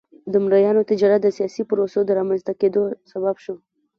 د مریانو تجارت د سیاسي پروسو د رامنځته کېدو سبب شو.